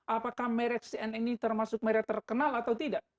apakah merk cnn ini termasuk merk terkenal atau tidak